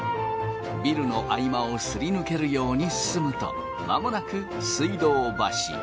ビルの合間をすり抜けるように進むと間もなく水道橋。